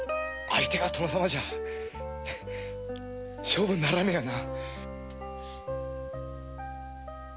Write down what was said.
相手が殿様じゃ勝負にならねえよな。